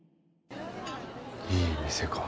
いい店か。